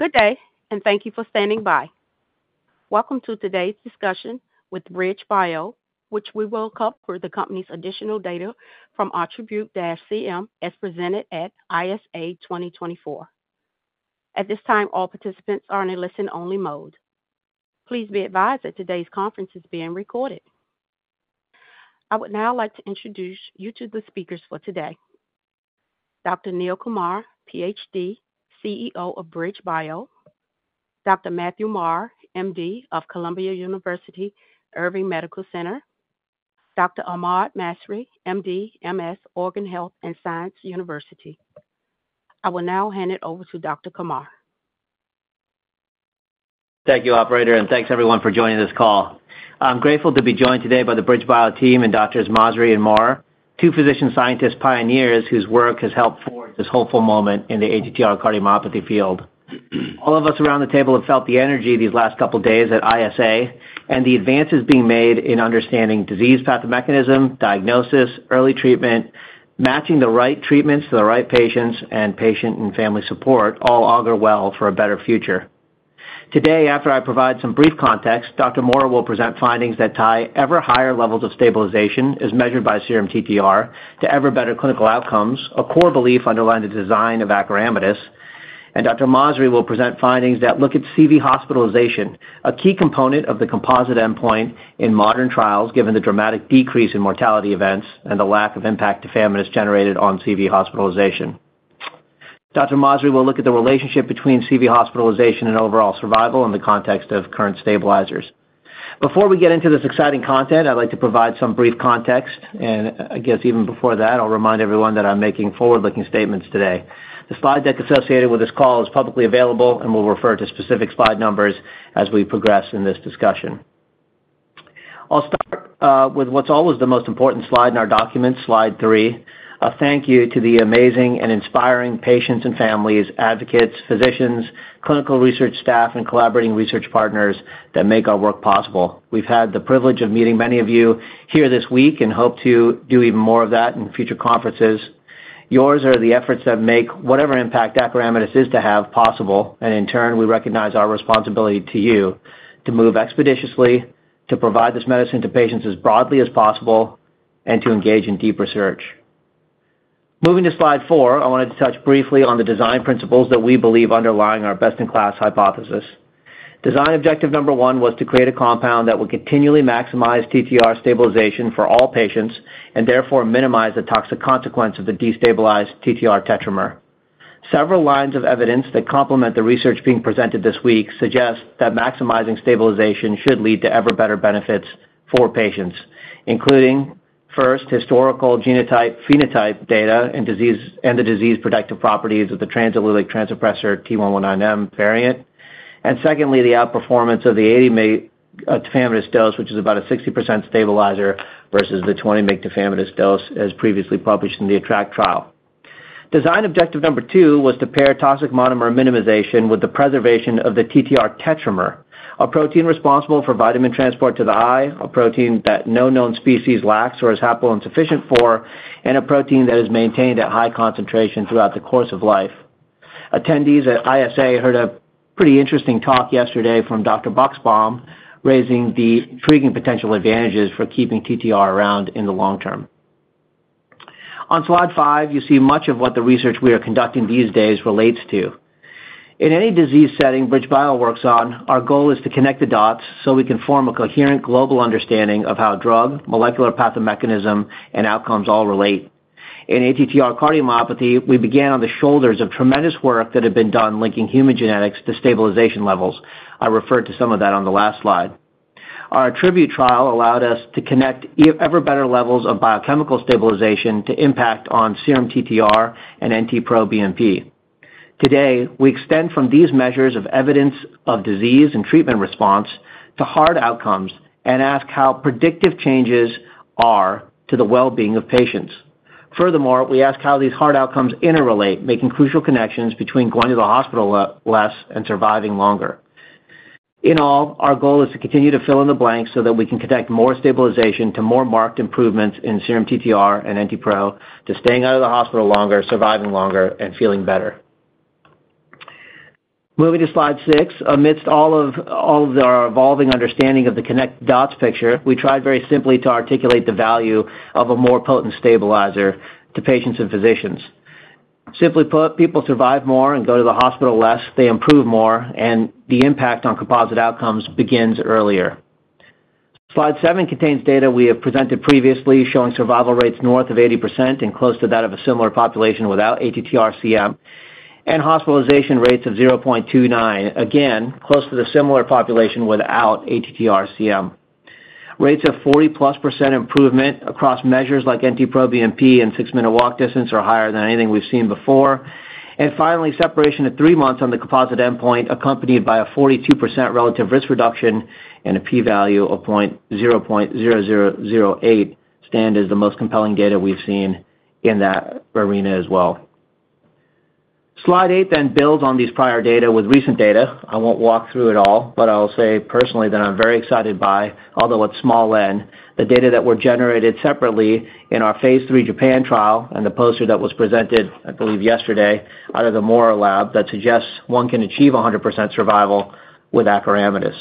Good day, and thank you for standing by. Welcome to today's discussion with BridgeBio, which we will cover the company's additional data from ATTRIBUTE-CM, as presented at ISA 2024. At this time, all participants are in a listen-only mode. Please be advised that today's conference is being recorded. I would now like to introduce you to the speakers for today. Dr. Neil Kumar, PhD, CEO of BridgeBio, Dr. Mathew Maurer, MD of Columbia University Irving Medical Center, Dr. Ahmad Masri, MD, MS, Oregon Health & Science University. I will now hand it over to Dr. Kumar. Thank you, operator, and thanks everyone for joining this call. I'm grateful to be joined today by the BridgeBio team and Doctors Masri and Maurer, two physician-scientist pioneers whose work has helped forge this hopeful moment in the ATTR cardiomyopathy field. All of us around the table have felt the energy these last couple of days at ISA and the advances being made in understanding disease path mechanism, diagnosis, early treatment, matching the right treatments to the right patients, and patient and family support all augur well for a better future. Today, after I provide some brief context, Dr. Maurer will present findings that tie ever higher levels of stabilization, as measured by serum TTR, to ever better clinical outcomes, a core belief underlying the design of acoramidis. And Dr. Masri will present findings that look at CV hospitalization, a key component of the composite endpoint in modern trials, given the dramatic decrease in mortality events and the lack of impact tafamidis generated on CV hospitalization. Dr. Masri will look at the relationship between CV hospitalization and overall survival in the context of current stabilizers. Before we get into this exciting content, I'd like to provide some brief context, and I guess even before that, I'll remind everyone that I'm making forward-looking statements today. The slide deck associated with this call is publicly available, and we'll refer to specific slide numbers as we progress in this discussion. I'll start with what's always the most important slide in our document, slide 3. A thank you to the amazing and inspiring patients and families, advocates, physicians, clinical research staff, and collaborating research partners that make our work possible. We've had the privilege of meeting many of you here this week and hope to do even more of that in future conferences. Yours are the efforts that make whatever impact acoramidis is to have possible, and in turn, we recognize our responsibility to you to move expeditiously, to provide this medicine to patients as broadly as possible, and to engage in deep research. Moving to slide 4, I wanted to touch briefly on the design principles that we believe underlying our best-in-class hypothesis. Design objective number 1 was to create a compound that would continually maximize TTR stabilization for all patients and therefore minimize the toxic consequence of the destabilized TTR tetramer. Several lines of evidence that complement the research being presented this week suggest that maximizing stabilization should lead to ever better benefits for patients, including, first, historical genotype, phenotype data and the disease protective properties of the transallelic trans-suppressor T119M variant, and secondly, the outperformance of the 80 mg tafamidis dose, which is about a 60% stabilizer versus the 20 mg tafamidis dose, as previously published in the ATTRACT trial. Design objective number 2 was to pair toxic monomer minimization with the preservation of the TTR tetramer, a protein responsible for vitamin transport to the eye, a protein that no known species lacks or is haploinsufficient for, and a protein that is maintained at high concentration throughout the course of life. Attendees at ISA heard a pretty interesting talk yesterday from Dr. Buxbaum, raising the intriguing potential advantages for keeping TTR around in the long term. On slide five, you see much of what the research we are conducting these days relates to. In any disease setting BridgeBio works on, our goal is to connect the dots so we can form a coherent global understanding of how drug, molecular path mechanism, and outcomes all relate. In ATTR cardiomyopathy, we began on the shoulders of tremendous work that had been done linking human genetics to stabilization levels. I referred to some of that on the last slide. Our ATTRIBUTE trial allowed us to connect ever better levels of biochemical stabilization to impact on serum TTR and NT-proBNP. Today, we extend from these measures of evidence of disease and treatment response to hard outcomes and ask how predictive changes are to the well-being of patients. Furthermore, we ask how these hard outcomes interrelate, making crucial connections between going to the hospital less and surviving longer. In all, our goal is to continue to fill in the blanks so that we can connect more stabilization to more marked improvements in serum TTR and NT-pro, to staying out of the hospital longer, surviving longer, and feeling better. Moving to slide 6. Amidst all of our evolving understanding of the connect-the-dots picture, we tried very simply to articulate the value of a more potent stabilizer to patients and physicians. Simply put, people survive more and go to the hospital less, they improve more, and the impact on composite outcomes begins earlier. Slide 7 contains data we have presented previously, showing survival rates north of 80% and close to that of a similar population without ATTR-CM, and hospitalization rates of 0.29. Again, close to the similar population without ATTR-CM. Rates of 40+% improvement across measures like NT-proBNP and six-minute walk distance are higher than anything we've seen before. And finally, separation at 3 months on the composite endpoint, accompanied by a 42% relative risk reduction and a p-value of 0.0008, stand as the most compelling data we've seen in that arena as well. Slide 8 then builds on these prior data with recent data. I won't walk through it all, but I will say personally that I'm very excited by, although it's small n, the data that were generated separately in our phase 3 Japan trial and the poster that was presented, I believe, yesterday, out of the Maurer Lab that suggests one can achieve 100% survival with acoramidis....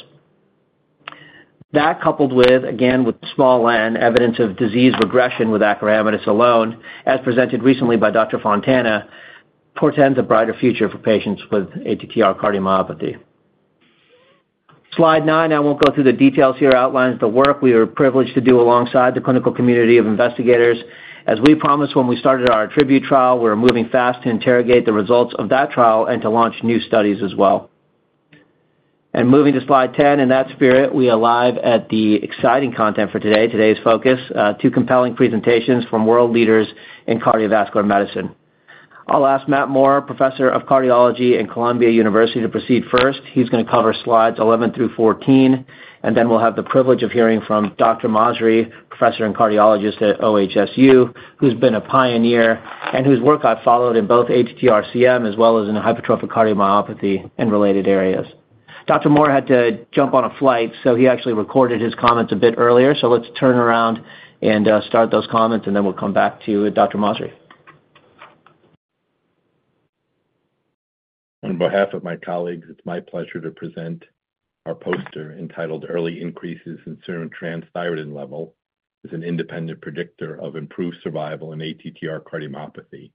That coupled with, again, with small N evidence of disease regression with acoramidis alone, as presented recently by Dr. Fontana, portends a brighter future for patients with ATTR cardiomyopathy. Slide 9, I won't go through the details here, outlines the work we are privileged to do alongside the clinical community of investigators. As we promised when we started our ATTRIBUTE trial, we're moving fast to interrogate the results of that trial and to launch new studies as well. Moving to slide 10, in that spirit, we are live at the exciting content for today. Today's focus, two compelling presentations from world leaders in cardiovascular medicine. I'll ask Matt Maurer, Professor of Cardiology at Columbia University, to proceed first. He's gonna cover slides 11 through 14, and then we'll have the privilege of hearing from Dr. Masri, professor and cardiologist at OHSU, who's been a pioneer and whose work I've followed in both ATTR-CM as well as in hypertrophic cardiomyopathy and related areas. Dr. Maurer had to jump on a flight, so he actually recorded his comments a bit earlier. So let's turn around and start those comments, and then we'll come back to Dr. Masri. On behalf of my colleagues, it's my pleasure to present our poster entitled, "Early Increases in Serum Transthyretin Level is an Independent Predictor of Improved Survival in ATTR Cardiomyopathy: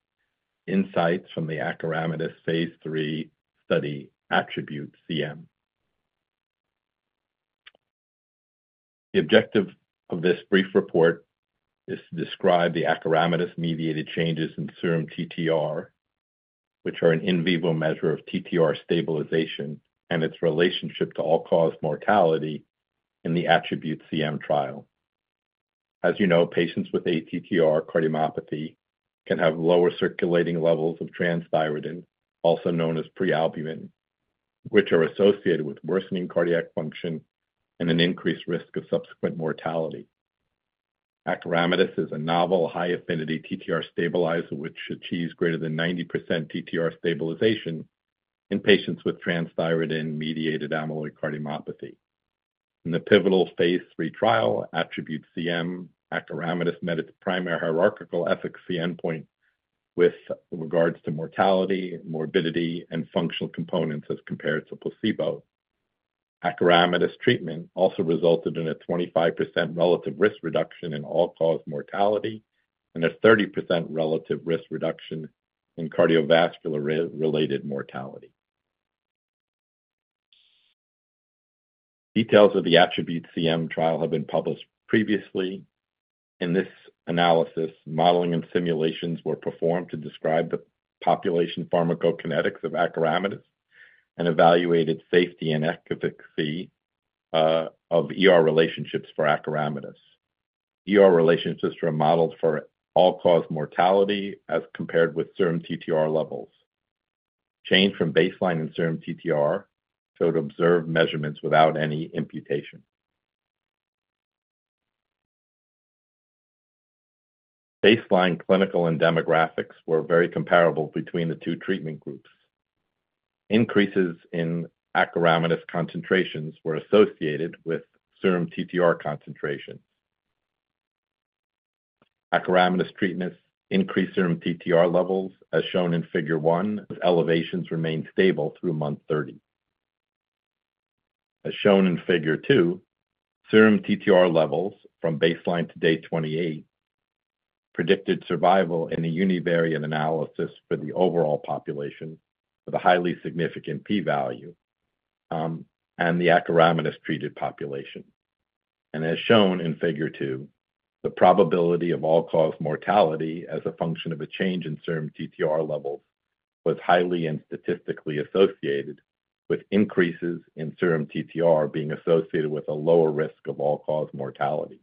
Insights from the Acoramidis Phase 3 Study ATTRIBUTE-CM." The objective of this brief report is to describe the acoramidis-mediated changes in serum TTR, which are an in vivo measure of TTR stabilization and its relationship to all-cause mortality in the ATTRIBUTE-CM trial. As you know, patients with ATTR cardiomyopathy can have lower circulating levels of transthyretin, also known as prealbumin, which are associated with worsening cardiac function and an increased risk of subsequent mortality. Acoramidis is a novel high-affinity TTR stabilizer, which achieves greater than 90% TTR stabilization in patients with transthyretin-mediated amyloid cardiomyopathy. In the pivotal phase 3 trial, ATTRIBUTE-CM, acoramidis met its primary hierarchical efficacy endpoint with regards to mortality, morbidity, and functional components as compared to placebo. Acoramidis treatment also resulted in a 25% relative risk reduction in all-cause mortality and a 30% relative risk reduction in cardiovascular-related mortality. Details of the ATTRIBUTE-CM trial have been published previously. In this analysis, modeling and simulations were performed to describe the population pharmacokinetics of acoramidis and evaluated safety and efficacy of ER relationships for acoramidis. ER relationships were modeled for all-cause mortality as compared with serum TTR levels. Change from baseline in serum TTR showed observed measurements without any imputation. Baseline clinical and demographics were very comparable between the two treatment groups. Increases in acoramidis concentrations were associated with serum TTR concentrations. Acoramidis treatments increased serum TTR levels, as shown in Figure 1, with elevations remaining stable through month 30. As shown in Figure 2, serum TTR levels from baseline to day 28 predicted survival in a univariate analysis for the overall population with a highly significant p-value, and the acoramidis treated population. As shown in Figure 2, the probability of all-cause mortality as a function of a change in serum TTR levels was highly and statistically associated with increases in serum TTR being associated with a lower risk of all-cause mortality.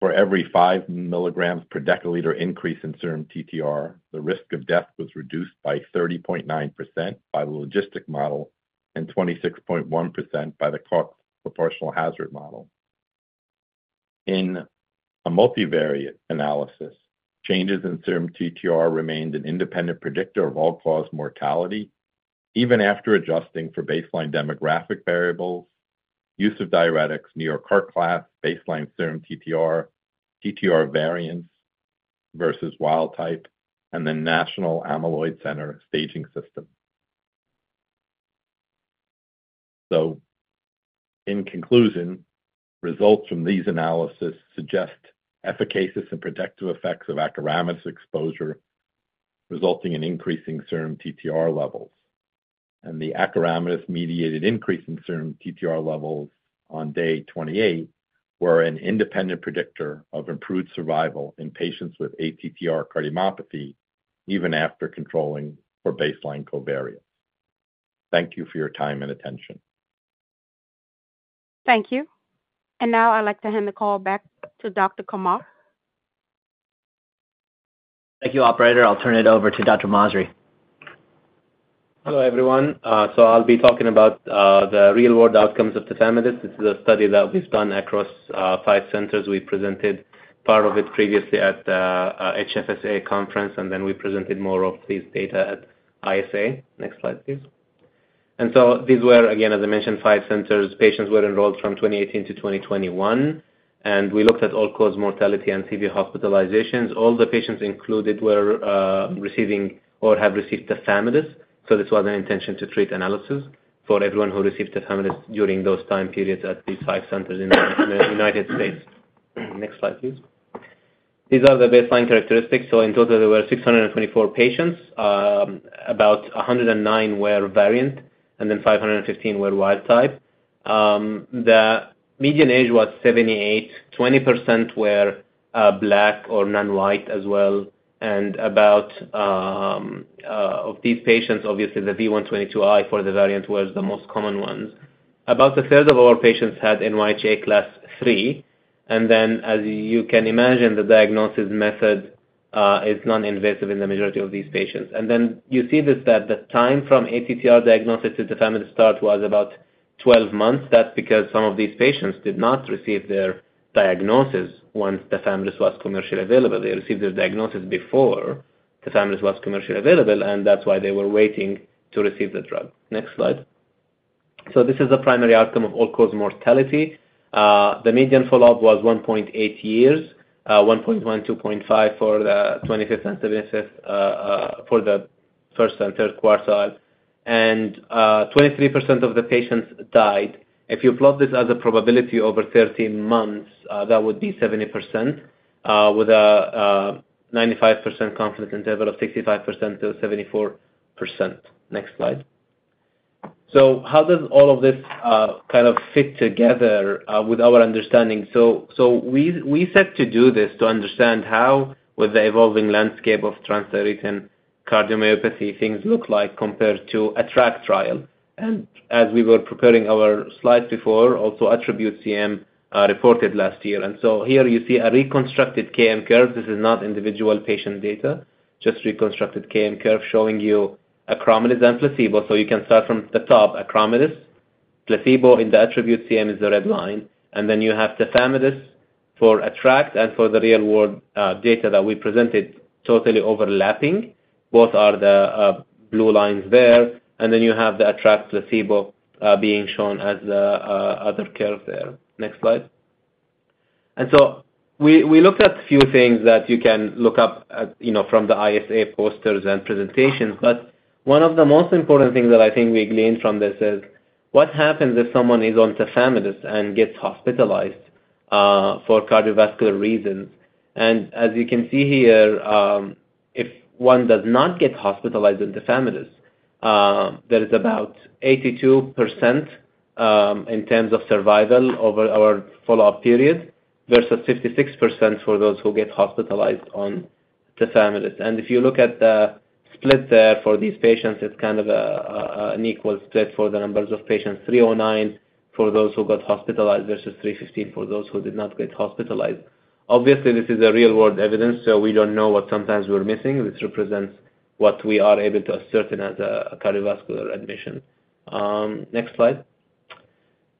For every 5 milligrams per deciliter increase in serum TTR, the risk of death was reduced by 30.9% by the logistic model and 26.1% by the proportional hazard model. In a multivariate analysis, changes in serum TTR remained an independent predictor of all-cause mortality, even after adjusting for baseline demographic variables, use of diuretics, New York Heart Association class, baseline serum TTR, TTR variant versus wild type, and the National Amyloidosis Center Staging System. So in conclusion, results from these analyses suggest efficacious and protective effects of acoramidis exposure, resulting in increasing serum TTR levels. And the acoramidis-mediated increase in serum TTR levels on day 28 were an independent predictor of improved survival in patients with ATTR cardiomyopathy, even after controlling for baseline covariates. Thank you for your time and attention. Thank you. Now I'd like to hand the call back to Dr. Kumar. Thank you, operator. I'll turn it over to Dr. Masri. Hello, everyone. So I'll be talking about the real-world outcomes of tafamidis. This is a study that we've done across 5 centers. We presented part of it previously at HFSA conference, and then we presented more of this data at ISA. Next slide, please. So these were, again, as I mentioned, 5 centers. Patients were enrolled from 2018 to 2021.... We looked at all-cause mortality and CV hospitalizations. All the patients included were receiving or have received tafamidis, so this was an intention-to-treat analysis for everyone who received tafamidis during those time periods at these 5 centers in the United States. Next slide, please. These are the baseline characteristics. So in total, there were 624 patients. About 109 were variant, and then 515 were wild type. The median age was 78, 20% were Black or non-white as well. About of these patients, obviously, the V122I variant was the most common ones. About a third of our patients had NYHA Class III, and then, as you can imagine, the diagnosis method is non-invasive in the majority of these patients. And then you see this, that the time from ATTR diagnosis to tafamidis start was about 12 months. That's because some of these patients did not receive their diagnosis once tafamidis was commercially available. They received their diagnosis before tafamidis was commercially available, and that's why they were waiting to receive the drug. Next slide. So this is the primary outcome of all-cause mortality. The median follow-up was 1.8 years, 1.1, 2.5 for the 25th and 75th, for the first and third quartile. Twenty-three percent of the patients died. If you plot this as a probability over 13 months, that would be 70%, with a 95% confidence interval of 65%-74%. Next slide. So how does all of this kind of fit together with our understanding? So we set to do this to understand how, with the evolving landscape of transthyretin cardiomyopathy, things look like compared to ATTRACT trial. And as we were preparing our slides before, also ATTRIBUTE-CM reported last year. And so here you see a reconstructed KM curve. This is not individual patient data, just reconstructed KM curve showing you acoramidis and placebo. So you can start from the top, acoramidis, placebo in the ATTRIBUTE-CM is the red line, and then you have tafamidis for ATTRACT and for the real world data that we presented, totally overlapping. Both are the blue lines there, and then you have the ATTRACT placebo being shown as the other curve there. Next slide. And so we looked at a few things that you can look up at, you know, from the ISA posters and presentations, but one of the most important things that I think we gleaned from this is: what happens if someone is on tafamidis and gets hospitalized for cardiovascular reasons? As you can see here, if one does not get hospitalized on tafamidis, there is about 82% in terms of survival over our follow-up period, versus 56% for those who get hospitalized on tafamidis. If you look at the split there for these patients, it's kind of a, an equal split for the numbers of patients, 309 for those who got hospitalized, versus 315 for those who did not get hospitalized. Obviously, this is a real-world evidence, so we don't know what sometimes we're missing. This represents what we are able to ascertain as a cardiovascular admission. Next slide.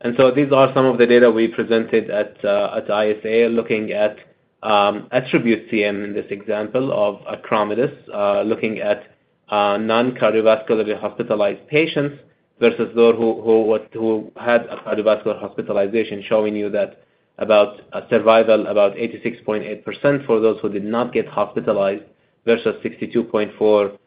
These are some of the data we presented at ISA, looking at ATTRIBUTE-CM in this example of acoramidis, looking at non-cardiovascular hospitalized patients versus those who had a cardiovascular hospitalization, showing you that about a survival, about 86.8% for those who did not get hospitalized, versus 62.4%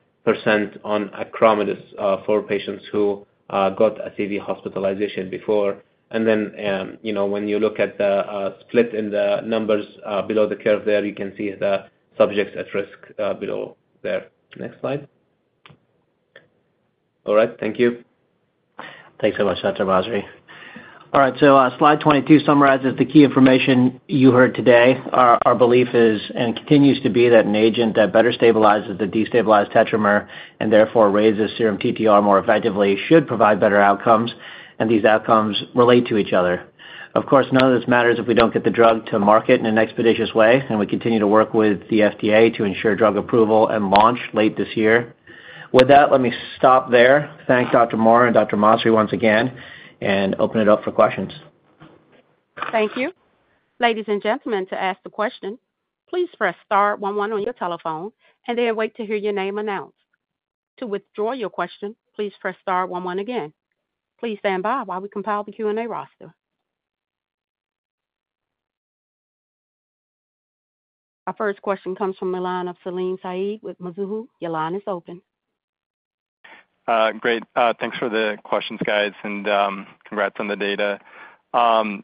on acoramidis, for patients who got a CV hospitalization before. Then, you know, when you look at the split in the numbers below the curve there, you can see the subjects at risk below there. Next slide. All right. Thank you. Thanks so much, Dr. Masri. All right, so, slide 22 summarizes the key information you heard today. Our, our belief is, and continues to be, that an agent that better stabilizes the destabilized tetramer and therefore raises serum TTR more effectively, should provide better outcomes, and these outcomes relate to each other. Of course, none of this matters if we don't get the drug to market in an expeditious way, and we continue to work with the FDA to ensure drug approval and launch late this year. With that, let me stop there. Thank Dr. Maurer and Dr. Masri once again, and open it up for questions. Thank you. Ladies and gentlemen, to ask the question, please press star one one on your telephone and then wait to hear your name announced. To withdraw your question, please press star one one again. Please stand by while we compile the Q&A roster. Our first question comes from the line of Salim Syed with Mizuho. Your line is open. Great. Thanks for the questions, guys, and congrats on the data.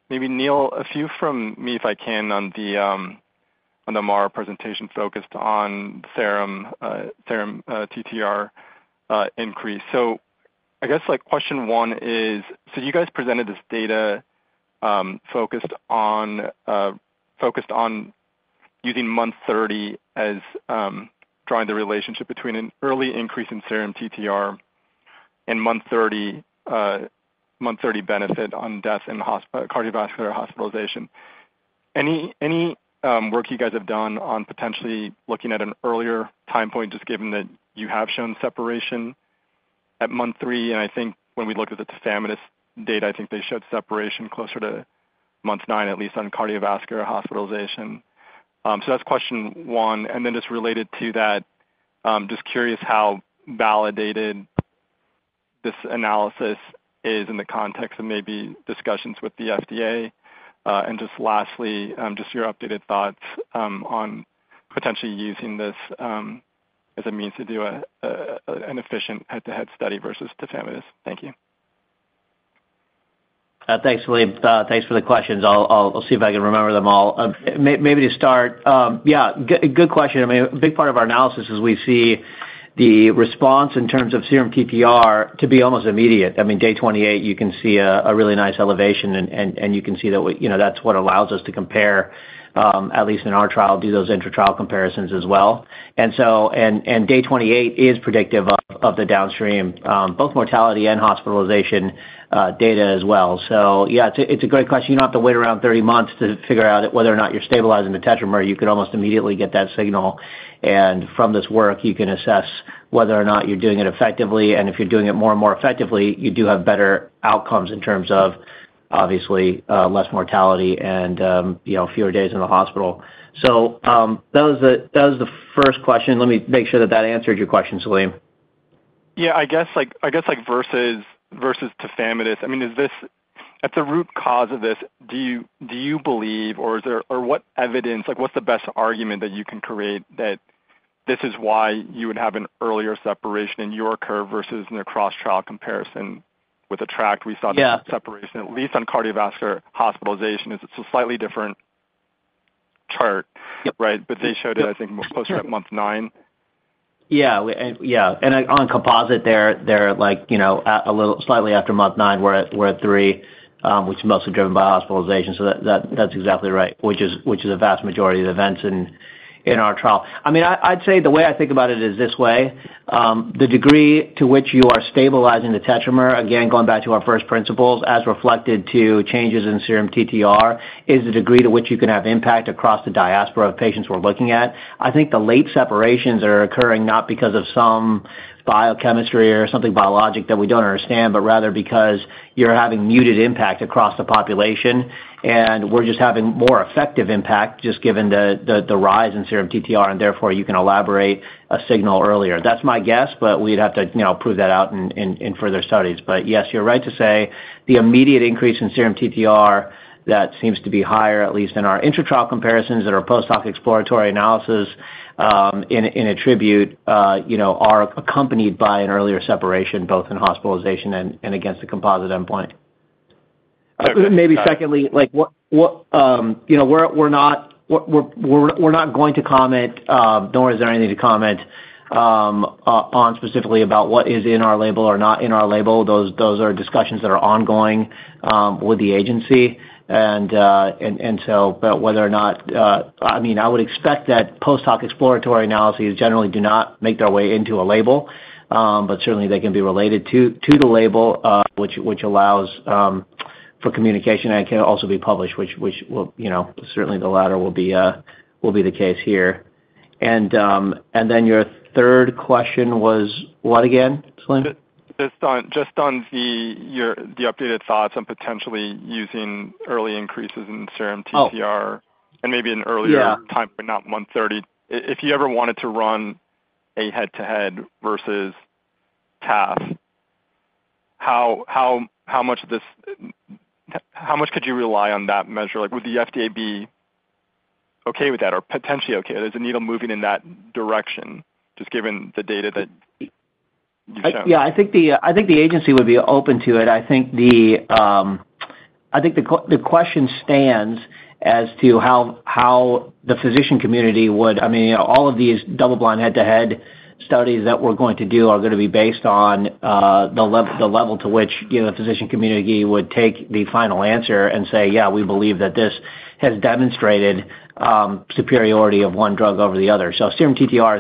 Maybe, Neil, a few from me, if I can, on the Maurer presentation focused on serum TTR increase. So I guess, like, question one is: so you guys presented this data, focused on using month 30 as drawing the relationship between an early increase in serum TTR and month 30 benefit on death and cardiovascular hospitalization. Any work you guys have done on potentially looking at an earlier time point, just given that you have shown separation at month 3? And I think when we looked at the tafamidis data, I think they showed separation closer to month 9, at least on cardiovascular hospitalization. So that's question one. And then just related to that, just curious how validated this analysis is in the context of maybe discussions with the FDA. And just lastly, just your updated thoughts on potentially using this as a means to do an efficient head-to-head study versus tafamidis. Thank you. Thanks, Salim. Thanks for the questions. I'll see if I can remember them all. Maybe to start, yeah, good question. I mean, a big part of our analysis is we see the response in terms of serum TTR to be almost immediate. I mean, day 28, you can see a really nice elevation, and you can see that we—you know, that's what allows us to compare, at least in our trial, do those intra-trial comparisons as well. And so—and, day 28 is predictive of the downstream, both mortality and hospitalization, data as well. So yeah, it's a great question. You don't have to wait around 30 months to figure out whether or not you're stabilizing the tetramer. You could almost immediately get that signal, and from this work, you can assess whether or not you're doing it effectively. And if you're doing it more and more effectively, you do have better outcomes in terms of, obviously, less mortality and, you know, fewer days in the hospital. So, that was the first question. Let me make sure that that answered your question, Salim. Yeah, I guess, like, versus tafamidis, I mean, is this... At the root cause of this, do you believe, or is there, or what evidence, like, what's the best argument that you can create that this is why you would have an earlier separation in your curve versus in a cross-trial comparison? With ATTRACT, we saw- Yeah. the separation, at least on cardiovascular hospitalization. It's a slightly different chart. Yep. Right? But they showed it, I think, closer to month 9. Yeah, and yeah, and on composite, they're like, you know, at a little slightly after month 9, we're at 3, which is mostly driven by hospitalization. So that, that's exactly right, which is a vast majority of the events in our trial. I mean, I'd say the way I think about it is this way: The degree to which you are stabilizing the tetramer, again, going back to our first principles, as reflected to changes in serum TTR, is the degree to which you can have impact across the diaspora of patients we're looking at. I think the late separations are occurring not because of some biochemistry or something biological that we don't understand, but rather because you're having muted impact across the population, and we're just having more effective impact, just given the rise in serum TTR, and therefore, you can elaborate a signal earlier. That's my guess, but we'd have to, you know, prove that out in further studies. But yes, you're right to say the immediate increase in serum TTR that seems to be higher, at least in our intra-trial comparisons that are post-hoc exploratory analysis in ATTRIBUTE, you know, are accompanied by an earlier separation, both in hospitalization and against the composite endpoint. Uh- Maybe secondly, like, what, what, you know, we're, we're not, we're, we're, we're not going to comment, nor is there anything to comment, on specifically about what is in our label or not in our label. Those, those are discussions that are ongoing, with the agency. And, and, and so but whether or not, I mean, I would expect that post-hoc exploratory analyses generally do not make their way into a label, but certainly, they can be related to, to the label, which, which allows, for communication, and it can also be published, which, which will, you know, certainly the latter will be, will be the case here. And, and then your third question was what again, Salim? Just on your updated thoughts on potentially using early increases in serum TTR- Oh. and maybe an earlier Yeah. timepoint, not one thirty. If you ever wanted to run a head-to-head versus TAF, how much of this... how much could you rely on that measure? Like, would the FDA be okay with that, or potentially okay, there's a needle moving in that direction, just given the data that you showed? Yeah, I think the agency would be open to it. I think the question stands as to how the physician community would... I mean, all of these double-blind, head-to-head studies that we're going to do are gonna be based on the level to which, you know, the physician community would take the final answer and say: "Yeah, we believe that this has demonstrated superiority of one drug over the other." So serum TTR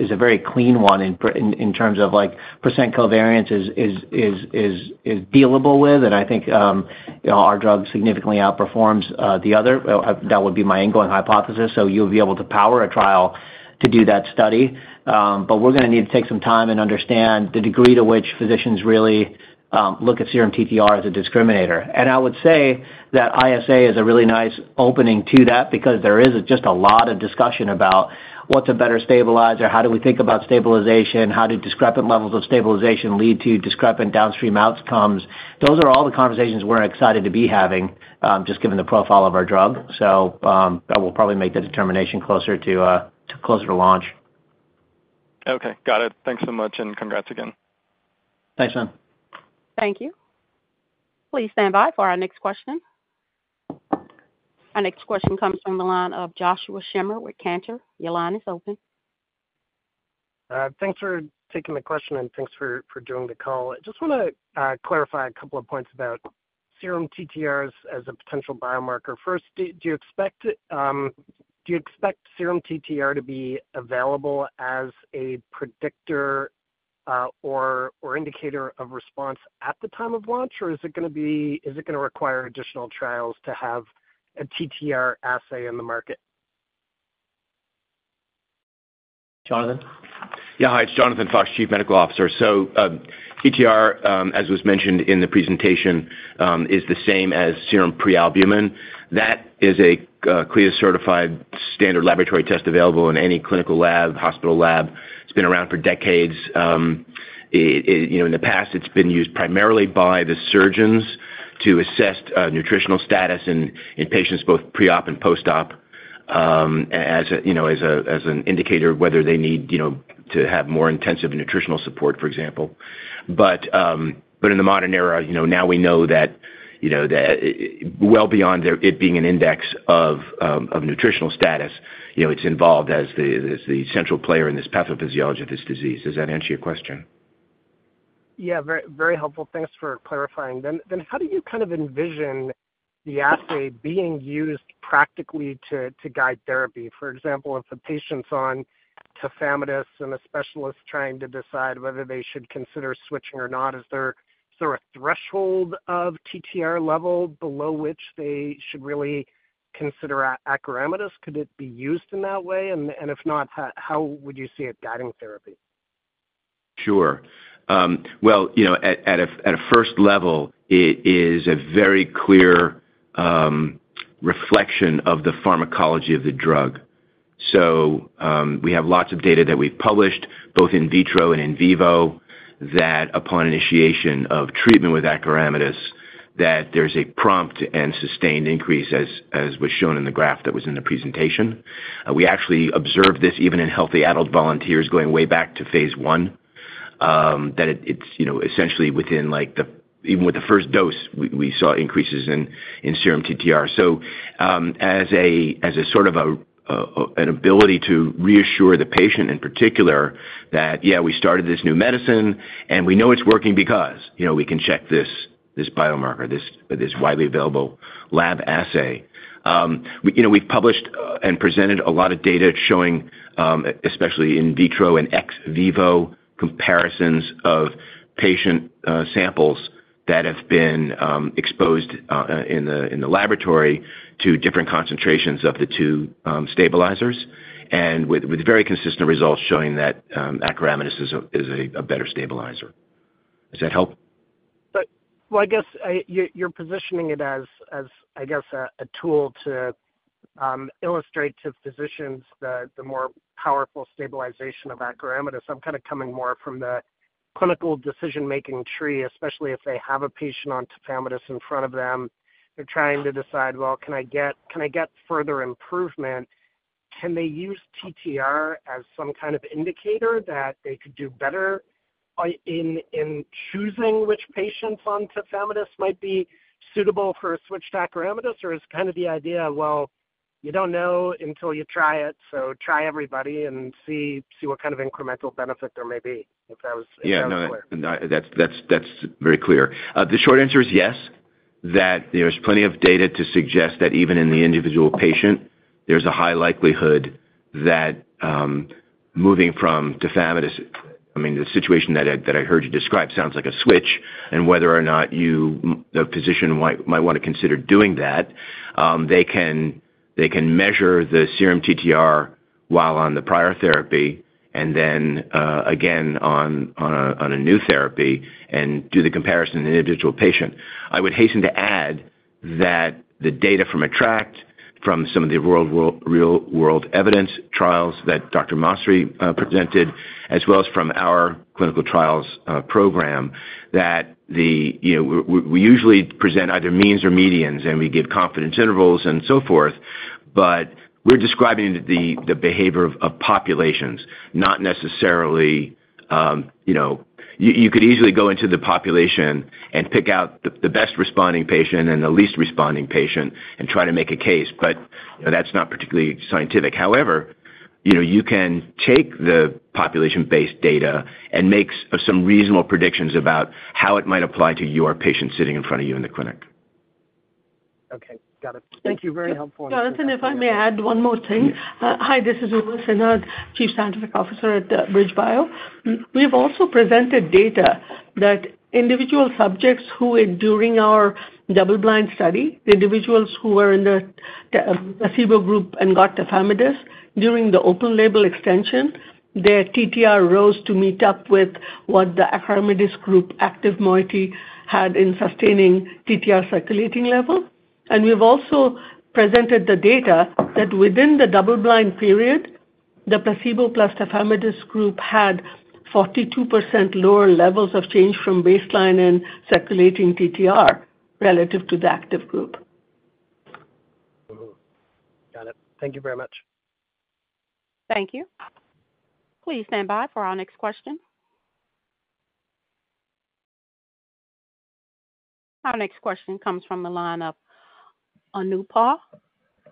is a very clean one in terms of, like, percent covariance is dealable with, and I think, you know, our drug significantly outperforms the other. That would be my ongoing hypothesis, so you'll be able to power a trial to do that study. But we're gonna need to take some time and understand the degree to which physicians really look at serum TTR as a discriminator. And I would say that ISA is a really nice opening to that because there is just a lot of discussion about what's a better stabilizer? How do we think about stabilization? How do discrepant levels of stabilization lead to discrepant downstream outcomes? Those are all the conversations we're excited to be having, just given the profile of our drug. So, I will probably make that determination closer to launch. Okay, got it. Thanks so much, and congrats again. Thanks, Salim. Thank you. Please stand by for our next question. Our next question comes from the line of Josh Schimmer with Cantor. Your line is open. Thanks for taking the question, and thanks for joining the call. I just wanna clarify a couple of points about serum TTRs as a potential biomarker. First, do you expect serum TTR to be available as a predictor, or indicator of response at the time of launch, or is it gonna be, is it gonna require additional trials to have a TTR assay in the market? Jonathan? Yeah, hi, it's Jonathan Fox, Chief Medical Officer. So, TTR, as was mentioned in the presentation, is the same as serum prealbumin. That is a CLIA-certified standard laboratory test available in any clinical lab, hospital lab. It's been around for decades. It, you know, in the past, it's been used primarily by the surgeons to assess nutritional status in patients both pre-op and post-op, as an indicator of whether they need, you know, to have more intensive nutritional support, for example. But in the modern era, you know, now we know that, you know, the, well beyond it being an index of nutritional status, you know, it's involved as the central player in this pathophysiology of this disease. Does that answer your question? Yeah, very, very helpful. Thanks for clarifying. Then, how do you kind of envision the assay being used practically to guide therapy? For example, if a patient's on tafamidis, and a specialist trying to decide whether they should consider switching or not, is there sort of a threshold of TTR level below which they should really consider acoramidis? Could it be used in that way? And, if not, how would you see it guiding therapy? Sure. Well, you know, at a first level, it is a very clear reflection of the pharmacology of the drug. So, we have lots of data that we've published, both in vitro and in vivo, that upon initiation of treatment with acoramidis, that there's a prompt and sustained increase, as was shown in the graph that was in the presentation. We actually observed this even in healthy adult volunteers going way back to phase one, that it's, you know, essentially within, like, even with the first dose, we saw increases in serum TTR. So, as a sort of an ability to reassure the patient, in particular, that, yeah, we started this new medicine, and we know it's working because, you know, we can check this biomarker, this widely available lab assay. We, you know, we've published and presented a lot of data showing, especially in vitro and ex vivo, comparisons of patient samples that have been exposed in the laboratory to different concentrations of the two stabilizers, and with very consistent results showing that acoramidis is a better stabilizer. Does that help? But. Well, I guess, you're positioning it as, I guess, a tool to illustrate to physicians the more powerful stabilization of acoramidis. I'm kind of coming more from the clinical decision-making tree, especially if they have a patient on tafamidis in front of them. They're trying to decide, well, can I get further improvement? Can they use TTR as some kind of indicator that they could do better in choosing which patients on tafamidis might be suitable for a switch to acoramidis, or is kind of the idea, well, you don't know until you try it, so try everybody and see what kind of incremental benefit there may be? If that was clear. Yeah, no, that's, that's, that's very clear. The short answer is yes, that there's plenty of data to suggest that even in the individual patient, there's a high likelihood that, moving from tafamidis, I mean, the situation that I, that I heard you describe sounds like a switch, and whether or not you, the physician might, might want to consider doing that. They can, they can measure the serum TTR while on the prior therapy, and then, again, on, on a, on a new therapy and do the comparison in the individual patient. I would hasten to add that the data from ATTRACT, from some of the real-world evidence trials that Dr. Masri presented, as well as from our clinical trials program, that the, you know, we usually present either means or medians, and we give confidence intervals and so forth, but we're describing the, the behavior of, of populations, not necessarily, you know... You could easily go into the population and pick out the, the best-responding patient and the least-responding patient and try to make a case, but that's not particularly scientific. However, you know, you can take the population-based data and make some reasonable predictions about how it might apply to your patient sitting in front of you in the clinic. Okay, got it. Thank you. Very helpful. Jonathan, if I may add one more thing. Yeah. Hi, this is Uma Sinha, Chief Scientific Officer at BridgeBio. We've also presented data that individual subjects who, during our double-blind study, the individuals who were in the placebo group and got tafamidis during the open label extension, their TTR rose to meet up with what the acoramidis group active moiety had in sustaining TTR circulating level. We've also presented the data that within the double-blind period, the placebo plus tafamidis group had 42% lower levels of change from baseline in circulating TTR relative to the active group. Mm-hmm. Got it. Thank you very much. Thank you. Please stand by for our next question. Our next question comes from the line of Anupam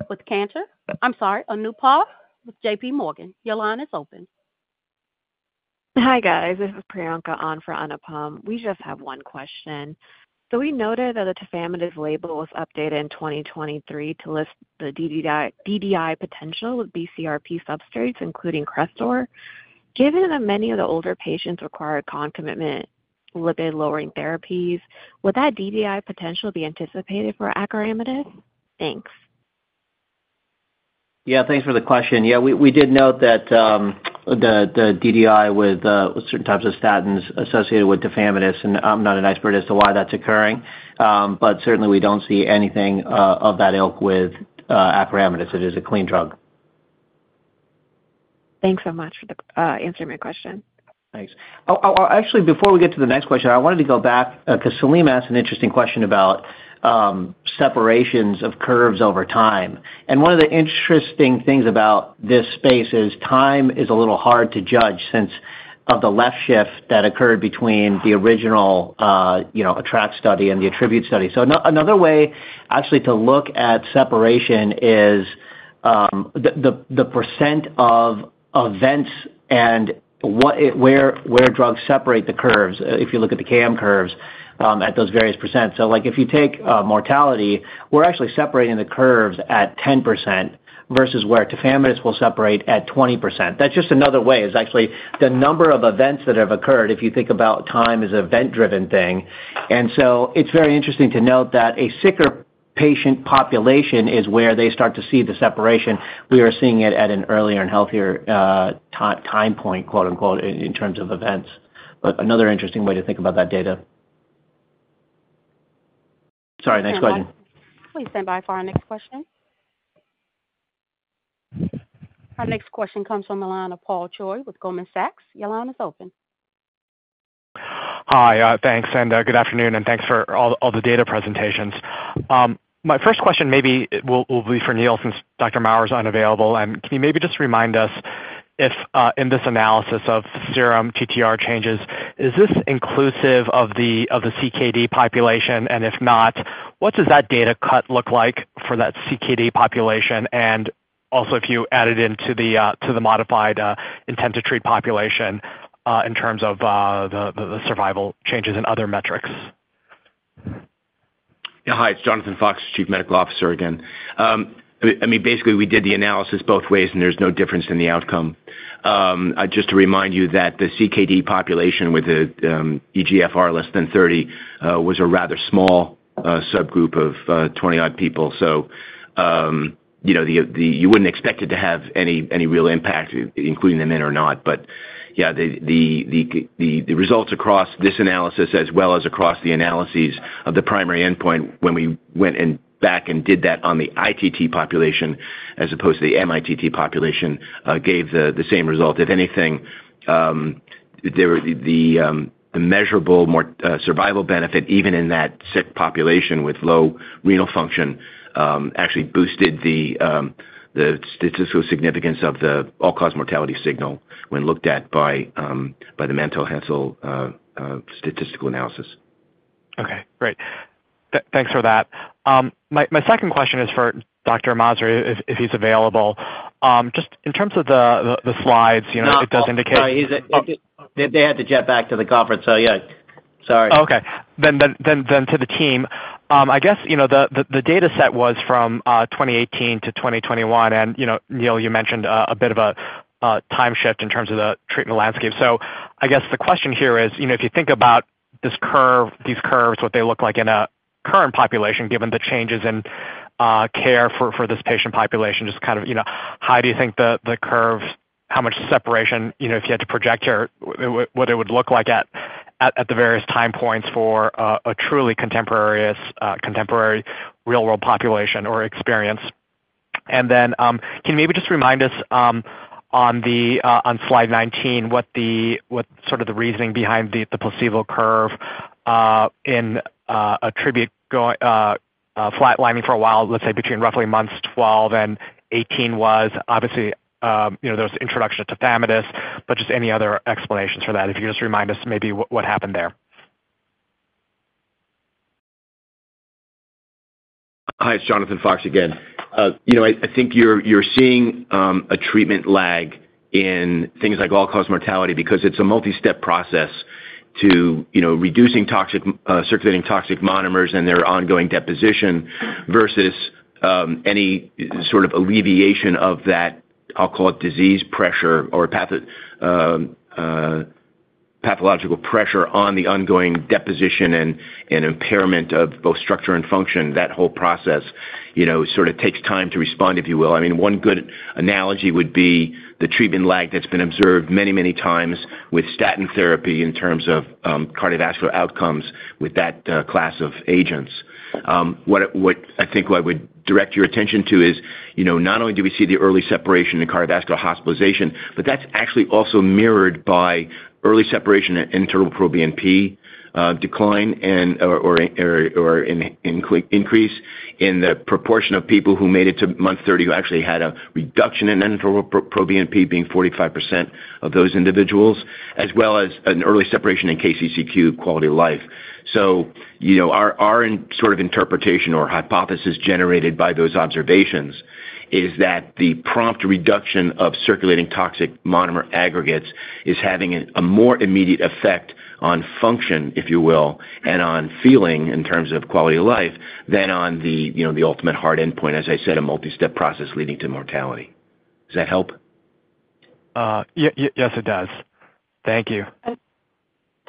with Cantor. I'm sorry, Anupam with J.P. Morgan. Your line is open. Hi, guys. This is Priyanka on for Anupam. We just have one question. So we noted that the tafamidis label was updated in 2023 to list the DDI, DDI potential of BCRP substrates, including Crestor. Given that many of the older patients require concomitant lipid-lowering therapies, would that DDI potential be anticipated for acoramidis? Thanks. Yeah, thanks for the question. Yeah, we did note that the DDI with certain types of statins associated with tafamidis, and I'm not an expert as to why that's occurring. But certainly, we don't see anything of that ilk with acoramidis. It is a clean drug.... Thanks so much for the answering my question. Thanks. Actually, before we get to the next question, I wanted to go back, because Salim asked an interesting question about separations of curves over time. And one of the interesting things about this space is time is a little hard to judge since of the left shift that occurred between the original, you know, ATTRACT study and the ATTRIBUTE study. So another way actually to look at separation is the percent of events and what it—where drugs separate the curves, if you look at the KM curves at those various percents. So, like, if you take mortality, we're actually separating the curves at 10% versus where tafamidis will separate at 20%. That's just another way, is actually the number of events that have occurred if you think about time as an event-driven thing. And so it's very interesting to note that a sicker patient population is where they start to see the separation. We are seeing it at an earlier and healthier time point, quote, unquote, in terms of events. But another interesting way to think about that data. Sorry, next question. Please stand by for our next question. Our next question comes from the line of Paul Choi with Goldman Sachs. Your line is open. Hi. Thanks, and good afternoon, and thanks for all the data presentations. My first question maybe will be for Neil, since Dr. Maurer is unavailable. Can you maybe just remind us if in this analysis of serum TTR changes, is this inclusive of the CKD population? And if not, what does that data cut look like for that CKD population? And also, if you added into the to the modified intent to treat population, in terms of the survival changes in other metrics? Yeah. Hi, it's Jonathan Fox, Chief Medical Officer again. I mean, basically, we did the analysis both ways, and there's no difference in the outcome. Just to remind you that the CKD population with the eGFR less than 30 was a rather small subgroup of 20-odd people. So, you know, the... You wouldn't expect it to have any real impact, including them in or not. But, yeah, the results across this analysis, as well as across the analyses of the primary endpoint when we went in back and did that on the ITT population, as opposed to the MITT population, gave the same result. If anything, there were the measurable survival benefit, even in that sick population with low renal function, actually boosted the statistical significance of the all-cause mortality signal when looked at by the Mantel-Haenszel statistical analysis. Okay, great. Thanks for that. My second question is for Dr. Maurer, if he's available. Just in terms of the slides, you know, it does indicate- No, they had to jet back to the conference, so, yeah. Sorry. Okay. Then to the team. I guess, you know, the data set was from 2018 to 2021, and, you know, Neil, you mentioned a bit of a time shift in terms of the treatment landscape. So I guess the question here is, you know, if you think about this curve, these curves, what they look like in a current population, given the changes in care for this patient population, just kind of, you know, how do you think the curves, how much separation, you know, if you had to project here, what it would look like at the various time points for a truly contemporaneous, contemporary real-world population or experience? And then, can you maybe just remind us on slide 19, what sort of the reasoning behind the placebo curve in ATTRIBUTE going flat lining for a while, let's say between roughly months 12 and 18 was obviously, you know, there was introduction to tafamidis, but just any other explanations for that? If you could just remind us maybe what happened there. Hi, it's Jonathan Fox again. You know, I think you're seeing a treatment lag in things like all-cause mortality because it's a multi-step process to, you know, reducing toxic circulating toxic monomers and their ongoing deposition versus any sort of alleviation of that, I'll call it, disease pressure or pathological pressure on the ongoing deposition and impairment of both structure and function. That whole process, you know, sort of takes time to respond, if you will. I mean, one good analogy would be the treatment lag that's been observed many, many times with statin therapy in terms of cardiovascular outcomes with that class of agents. What I think I would direct your attention to is, you know, not only do we see the early separation in cardiovascular hospitalization, but that's actually also mirrored by early separation in NT-proBNP decline and or an increase in the proportion of people who made it to month 30, who actually had a reduction in proBNP being 45% of those individuals, as well as an early separation in KCCQ quality of life. So, you know, our sort of interpretation or hypothesis generated by those observations is that the prompt reduction of circulating toxic monomer aggregates is having a more immediate effect on function, if you will, and on feeling in terms of quality of life than on the, you know, the ultimate heart endpoint, as I said, a multi-step process leading to mortality. Does that help?... Yes, it does. Thank you.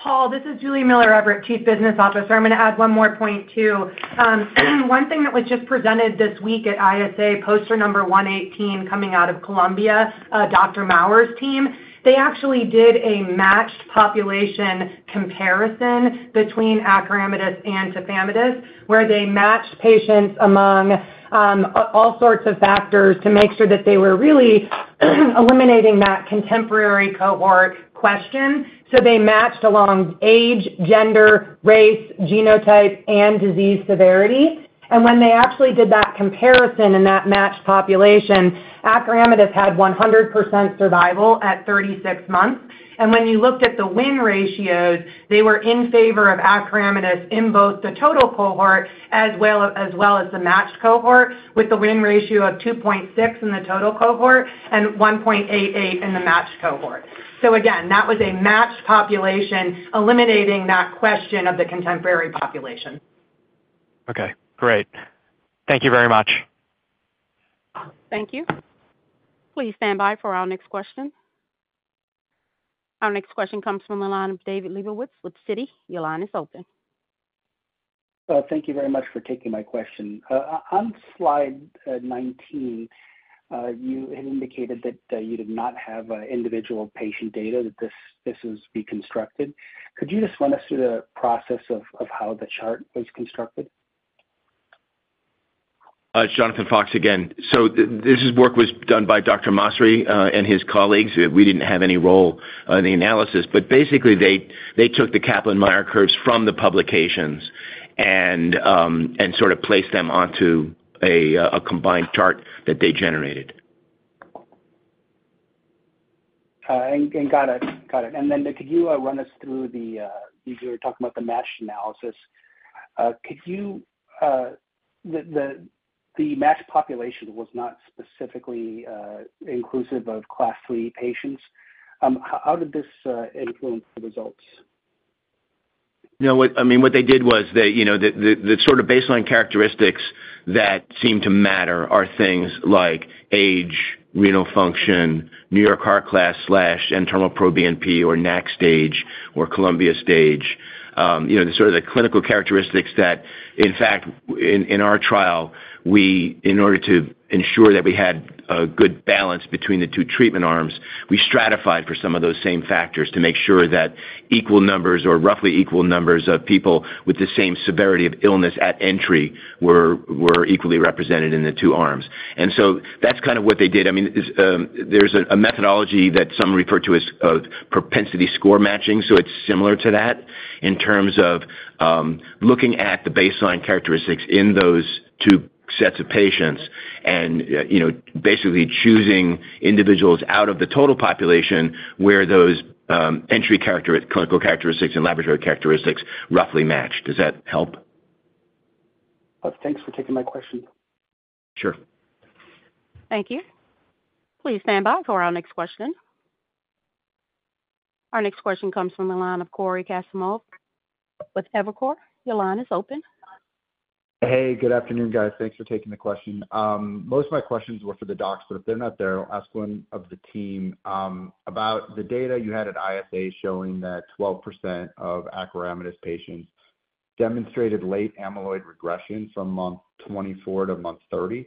Paul, this is Julie Miller, our Chief Business Officer. I'm gonna add one more point, too. One thing that was just presented this week at ISA, poster number 118, coming out of Columbia, Dr. Maurer's team, they actually did a matched population comparison between acoramidis and tafamidis, where they matched patients among all sorts of factors to make sure that they were really eliminating that contemporary cohort question. So they matched along age, gender, race, genotype, and disease severity. And when they actually did that comparison in that matched population, acoramidis had 100% survival at 36 months. When you looked at the win ratios, they were in favor of acoramidis in both the total cohort, as well, as well as the matched cohort, with the win ratio of 2.6 in the total cohort and 1.88 in the matched cohort. So again, that was a matched population, eliminating that question of the contemporary population. Okay, great. Thank you very much. Thank you. Please stand by for our next question. Our next question comes from the line of David Lebowitz with Citi. Your line is open. Thank you very much for taking my question. On slide 19, you had indicated that you did not have individual patient data, that this is deconstructed. Could you just run us through the process of how the chart was constructed? It's Jonathan Fox again. So this work was done by Dr. Masri and his colleagues. We didn't have any role in the analysis. But basically, they took the Kaplan-Meier curves from the publications and sort of placed them onto a combined chart that they generated. And got it. Got it. And then could you run us through the - you were talking about the matched analysis. Could you, the matched population was not specifically inclusive of Class III patients. How did this influence the results? No, what I mean, what they did was they, you know, the sort of baseline characteristics that seemed to matter are things like age, renal function, New York Heart Association class / NT-proBNP or NAC stage or Columbia stage. You know, the sort of the clinical characteristics that, in fact, in our trial, we, in order to ensure that we had a good balance between the two treatment arms, we stratified for some of those same factors to make sure that equal numbers or roughly equal numbers of people with the same severity of illness at entry were equally represented in the two arms. So that's kind of what they did. I mean, there's a methodology that some refer to as propensity score matching, so it's similar to that in terms of looking at the baseline characteristics in those two sets of patients and, you know, basically choosing individuals out of the total population, where those clinical characteristics and laboratory characteristics roughly match. Does that help? Thanks for taking my question. Sure. Thank you. Please stand by for our next question. Our next question comes from the line of Cory Kasimov with Evercore. Your line is open. Hey, good afternoon, guys. Thanks for taking the question. Most of my questions were for the docs, but if they're not there, I'll ask one of the team. About the data you had at ISA showing that 12% of acoramidis patients demonstrated late amyloid regression from month 24 to month 30.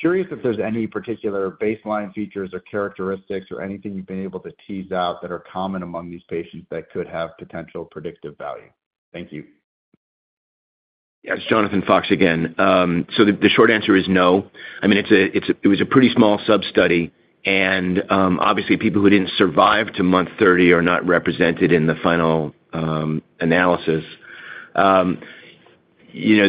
Curious if there's any particular baseline features or characteristics or anything you've been able to tease out that are common among these patients that could have potential predictive value. Thank you. Yes, Jonathan Fox again. So the short answer is no. I mean, it's a, it was a pretty small sub-study, and, obviously, people who didn't survive to month 30 are not represented in the final analysis. You know,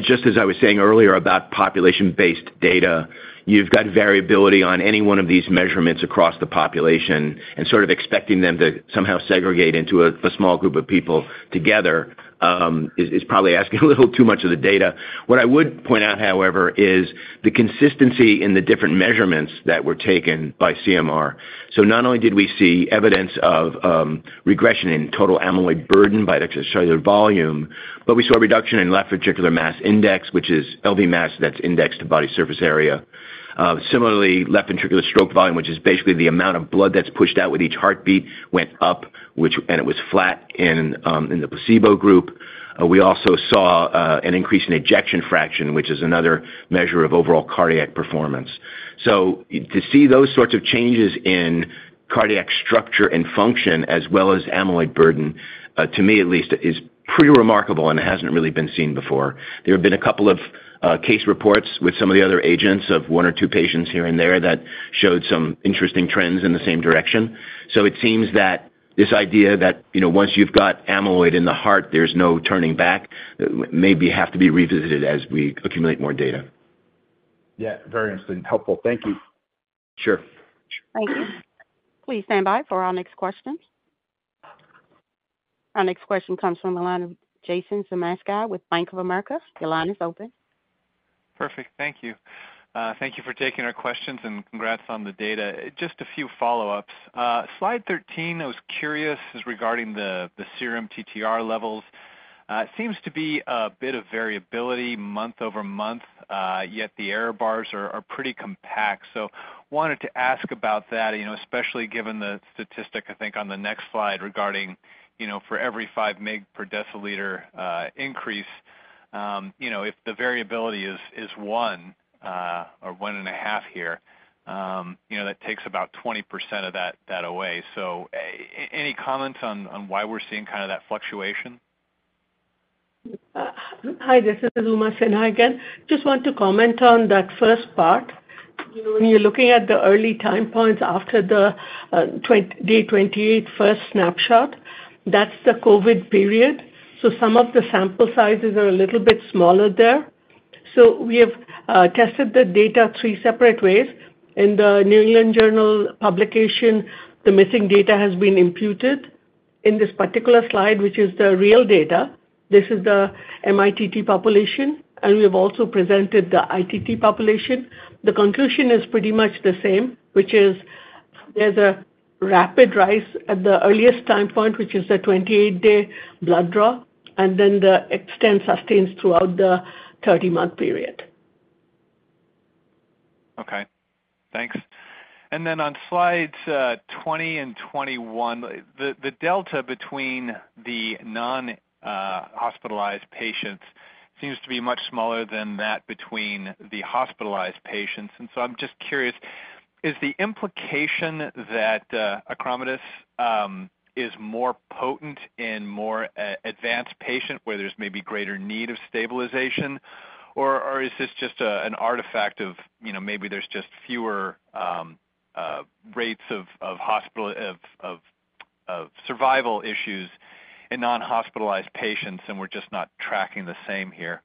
just as I was saying earlier about population-based data, you've got variability on any one of these measurements across the population, and sort of expecting them to somehow segregate into a small group of people together, is probably asking a little too much of the data. What I would point out, however, is the consistency in the different measurements that were taken by CMR. So not only did we see evidence of regression in total amyloid burden by extracellular volume, but we saw a reduction in left ventricular mass index, which is LV mass that's indexed to body surface area. Similarly, left ventricular stroke volume, which is basically the amount of blood that's pushed out with each heartbeat, went up, and it was flat in the placebo group. We also saw an increase in ejection fraction, which is another measure of overall cardiac performance. So to see those sorts of changes in cardiac structure and function, as well as amyloid burden, to me at least, is pretty remarkable and hasn't really been seen before. There have been a couple of case reports with some of the other agents of one or two patients here and there that showed some interesting trends in the same direction. So it seems that this idea that, you know, once you've got amyloid in the heart, there's no turning back, maybe have to be revisited as we accumulate more data. Yeah, very interesting and helpful. Thank you. Sure. Thank you. Please stand by for our next question. Our next question comes from the line of Jason Zemansky with Bank of America. Your line is open. Perfect. Thank you. Thank you for taking our questions, and congrats on the data. Just a few follow-ups. Slide 13, I was curious, is regarding the serum TTR levels.... it seems to be a bit of variability month-over-month, yet the error bars are pretty compact. So wanted to ask about that, you know, especially given the statistic, I think, on the next slide regarding, you know, for every 5 mg per deciliter increase, you know, if the variability is 1 or 1.5 here, you know, that takes about 20% of that away. So any comments on why we're seeing kind of that fluctuation? Hi, this is Uma Sinha again. Just want to comment on that first part. You know, when you're looking at the early time points after the twenty-eight-day first snapshot, that's the COVID period, so some of the sample sizes are a little bit smaller there. So we have tested the data three separate ways. In the New England Journal publication, the missing data has been imputed. In this particular slide, which is the real data, this is the MITT population, and we have also presented the ITT population. The conclusion is pretty much the same, which is there's a rapid rise at the earliest time point, which is the 28-day blood draw, and then the extent sustains throughout the 30-month period. Okay, thanks. And then on slides 20 and 21, the delta between the non-hospitalized patients seems to be much smaller than that between the hospitalized patients. And so I'm just curious, is the implication that acoramidis is more potent in more advanced patient, where there's maybe greater need of stabilization? Or is this just an artifact of, you know, maybe there's just fewer rates of hospital - of survival issues in non-hospitalized patients, and we're just not tracking the same here?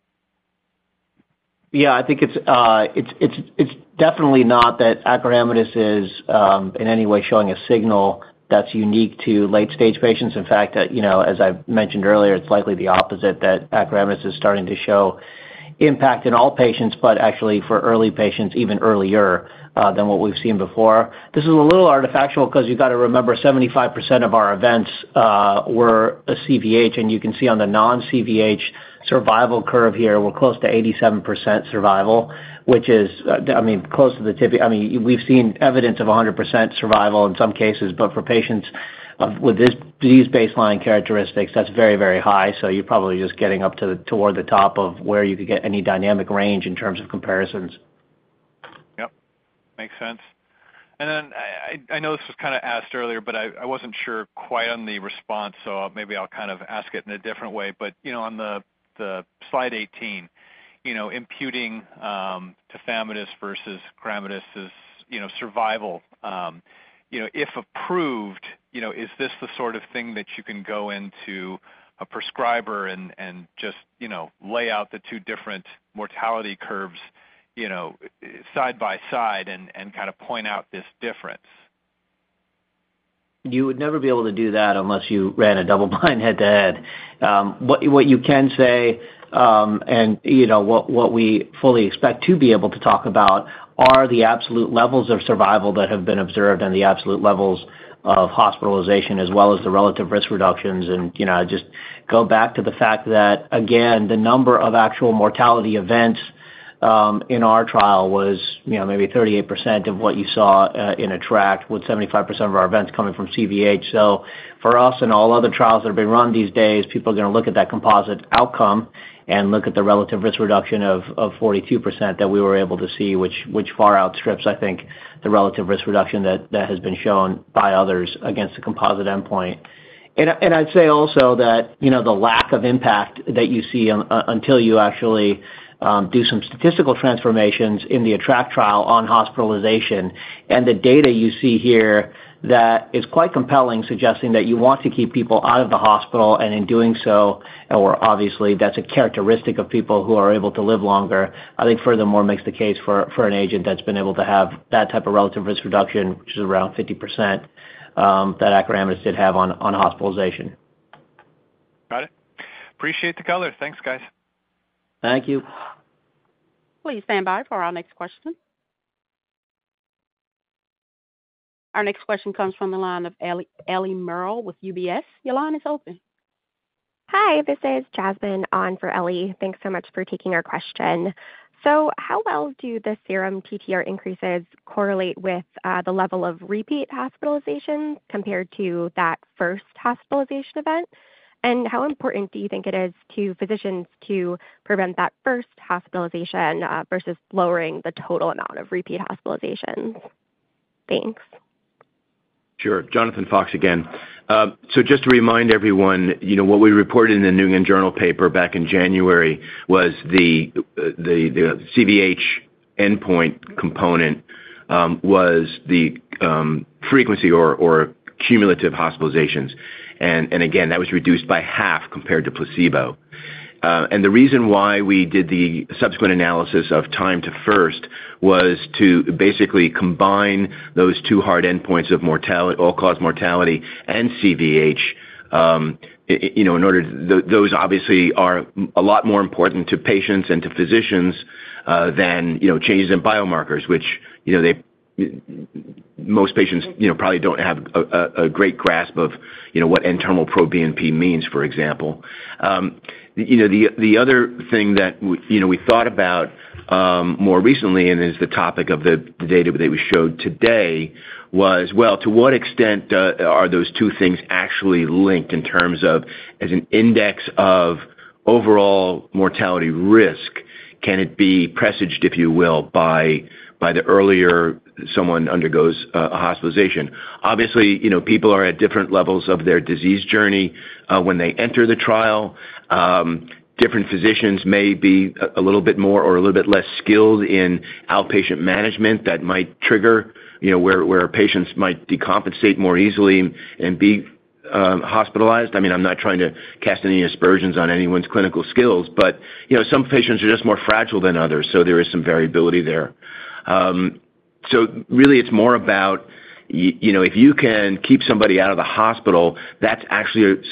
Yeah, I think it's definitely not that acoramidis is in any way showing a signal that's unique to late-stage patients. In fact, you know, as I've mentioned earlier, it's likely the opposite, that acoramidis is starting to show impact in all patients, but actually for early patients, even earlier than what we've seen before. This is a little artifactual because you've got to remember, 75% of our events were a CVH, and you can see on the non-CVH survival curve here, we're close to 87% survival, which is, I mean, close to the tipi-- I mean, we've seen evidence of 100% survival in some cases, but for patients of, with this disease baseline characteristics, that's very, very high. So you're probably just getting up to the, toward the top of where you could get any dynamic range in terms of comparisons. Yep, makes sense. And then I, I know this was kind of asked earlier, but I, I wasn't sure quite on the response, so maybe I'll kind of ask it in a different way. But, you know, on the, the slide 18, you know, imputing tafamidis versus acoramidis is, you know, survival. You know, if approved, you know, is this the sort of thing that you can go into a prescriber and, and just, you know, lay out the two different mortality curves, you know, side by side and, and kind of point out this difference? You would never be able to do that unless you ran a double blind head-to-head. What you can say, and you know, what we fully expect to be able to talk about are the absolute levels of survival that have been observed and the absolute levels of hospitalization, as well as the relative risk reductions. You know, just go back to the fact that, again, the number of actual mortality events in our trial was, you know, maybe 38% of what you saw in ATTRACT, with 75% of our events coming from CVH. So for us and all other trials that have been run these days, people are going to look at that composite outcome and look at the relative risk reduction of 42% that we were able to see, which far outstrips, I think, the relative risk reduction that has been shown by others against the composite endpoint. And I'd say also that, you know, the lack of impact that you see until you actually do some statistical transformations in the ATTRACT trial on hospitalization and the data you see here, that is quite compelling, suggesting that you want to keep people out of the hospital. In doing so, and where obviously that's a characteristic of people who are able to live longer, I think furthermore makes the case for an agent that's been able to have that type of relative risk reduction, which is around 50%, that acoramidis did have on hospitalization. Got it. Appreciate the color. Thanks, guys. Thank you. Please stand by for our next question. Our next question comes from the line of Eliana Merle with UBS. Your line is open. Hi, this is Jasmine on for Elli. Thanks so much for taking our question. So how well do the serum TTR increases correlate with the level of repeat hospitalizations compared to that first hospitalization event? And how important do you think it is to physicians to prevent that first hospitalization versus lowering the total amount of repeat hospitalizations? Thanks. Sure. Jonathan Fox again. So just to remind everyone, you know, what we reported in the New England Journal paper back in January was the CVH endpoint component, was the frequency or cumulative hospitalizations. And again, that was reduced by half compared to placebo. And the reason why we did the subsequent analysis of time to first was to basically combine those two hard endpoints of mortality, all-cause mortality and CVH. You know, in order, those obviously are a lot more important to patients and to physicians than, you know, changes in biomarkers, which, you know, they, most patients, you know, probably don't have a great grasp of, you know, what N-terminal pro-BNP means, for example. You know, the other thing that we thought about more recently, and is the topic of the data that we showed today, was, well, to what extent are those two things actually linked in terms of as an index of overall mortality risk? Can it be presaged, if you will, by the earlier someone undergoes a hospitalization? Obviously, you know, people are at different levels of their disease journey when they enter the trial. Different physicians may be a little bit more or a little bit less skilled in outpatient management that might trigger, you know, where patients might decompensate more easily and be hospitalized. I mean, I'm not trying to cast any aspersions on anyone's clinical skills, but, you know, some patients are just more fragile than others, so there is some variability there. So really it's more about you know, if you can keep somebody out of the hospital, that's actually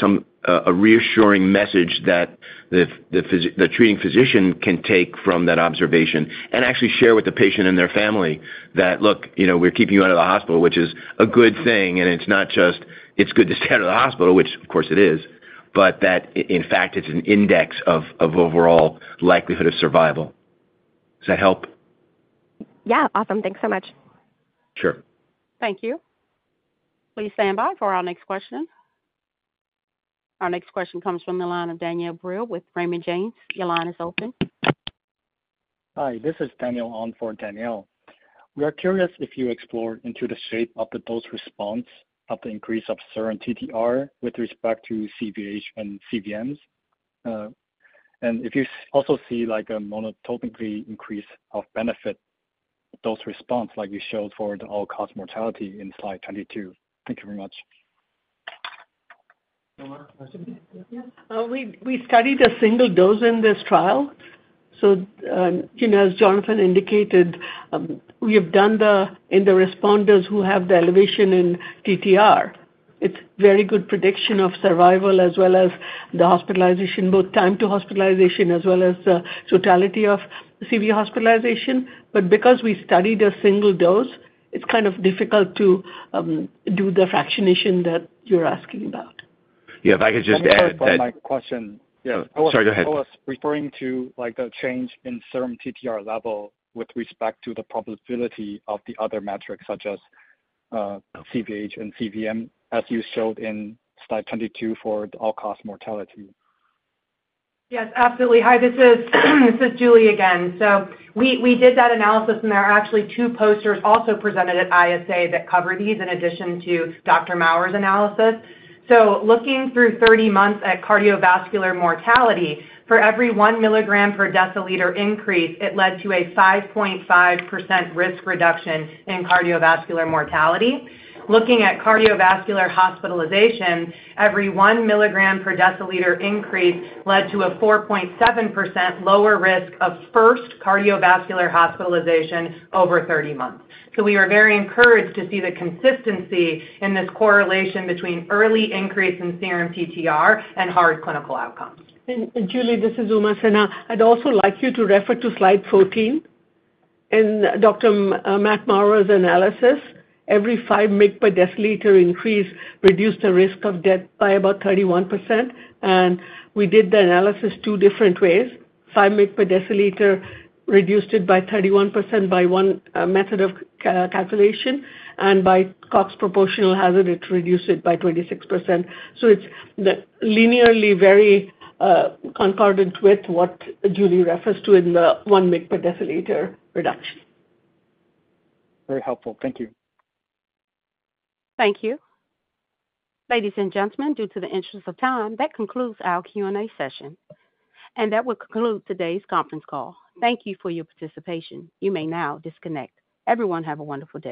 a reassuring message that the treating physician can take from that observation and actually share with the patient and their family that, "Look, you know, we're keeping you out of the hospital," which is a good thing, and it's not just, it's good to stay out of the hospital, which of course it is, but that in fact, it's an index of overall likelihood of survival. Does that help? Yeah, awesome. Thanks so much. Sure. Thank you. Please stand by for our next question. Our next question comes from the line of Daniel Brill with Raymond James. Your line is open. Hi, this is Daniel on for Danielle. We are curious if you explored into the shape of the dose response of the increase of serum TTR with respect to CVH and CVMs. And if you also see, like, a monotonically increase of benefit dose response like we showed for the all-cause mortality in slide 22. Thank you very much. We studied a single dose in this trial, so you know, as Jonathan indicated, we have done the... In the responders who have the elevation in TTR, it's very good prediction of survival as well as the hospitalization, both time to hospitalization as well as the totality of CV hospitalization. But because we studied a single dose, it's kind of difficult to do the fractionation that you're asking about. Yeah, if I could just add that- Let me clarify my question. Yeah. Sorry, go ahead. I was referring to, like, the change in serum TTR level with respect to the probability of the other metrics, such as, CVH and CVM, as you showed in slide 22 for the all-cause mortality. Yes, absolutely. Hi, this is Julie again. So we did that analysis, and there are actually two posters also presented at ISA that cover these, in addition to Dr. Maurer's analysis. So looking through 30 months at cardiovascular mortality, for every 1 milligram per deciliter increase, it led to a 5.5% risk reduction in cardiovascular mortality. Looking at cardiovascular hospitalization, every 1 milligram per deciliter increase led to a 4.7% lower risk of first cardiovascular hospitalization over 30 months. So we are very encouraged to see the consistency in this correlation between early increase in serum TTR and hard clinical outcomes. Julie, this is Uma Sinha. I'd also like you to refer to slide 14. In Dr. Matt Maurer's analysis, every 5 mg per deciliter increase reduced the risk of death by about 31%, and we did the analysis two different ways. 5 mg per deciliter reduced it by 31% by one method of calculation, and by Cox proportional hazard, it reduced it by 26%. So it's linearly very concordant with what Julie referenced to in the 1 mg per deciliter reduction. Very helpful. Thank you. Thank you. Ladies and gentlemen, due to the interest of time, that concludes our Q&A session, and that will conclude today's conference call. Thank you for your participation. You may now disconnect. Everyone, have a wonderful day.